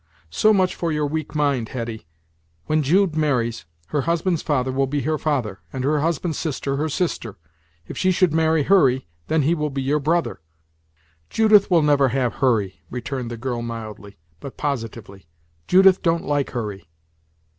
"So much for your weak mind, Hetty. When Jude marries, her husband's father will be her father, and her husband's sister her sister. If she should marry Hurry, then he will be your brother." "Judith will never have Hurry," returned the girl mildly, but positively; "Judith don't like Hurry."